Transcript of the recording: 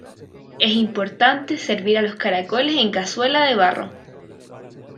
Es importante servir los caracoles en cazuela de barro.